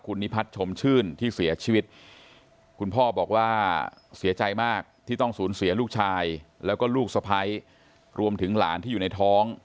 คุณนิพัทชมชื่นที่เสียชีวิต